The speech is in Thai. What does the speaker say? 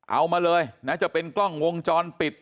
เอามาเลยนะจะเป็นกล้องวงจรปิด